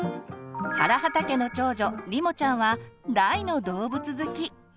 原畠家の長女りもちゃんは大の動物好き。